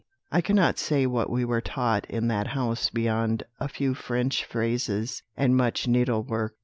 "I cannot say what we were taught in that house beyond a few French phrases and much needlework.